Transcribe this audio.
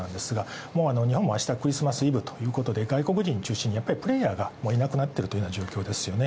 日本も明日、クリスマスイブということで、プレイヤーがいなくなっている状況ですよね。